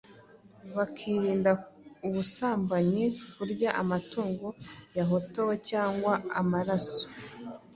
bakirinda ubusambanyi, kurya amatungo yahotowe cyangwa amaraso.